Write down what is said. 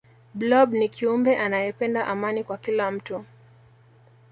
blob ni kiumbe anayependa amani kwa kila mtu